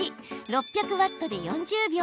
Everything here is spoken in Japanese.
６００ワットで４０秒。